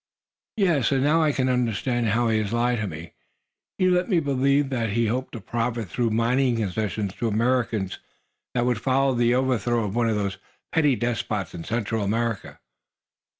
"Yes; and now I can understand how he has lied to me. He let me believe that he hoped to profit through mining concessions to Americans that would follow the overthrow of one of the petty despots in Central America."